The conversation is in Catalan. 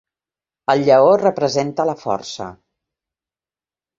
El lleó representa la força.